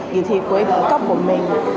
với tổng cấp của mình